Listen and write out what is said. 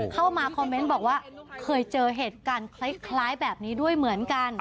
เข้ามาคอมเมนต์บอกว่าเคยเจอเหตุการณ์คล้ายแบบนี้ด้วยเหมือนกัน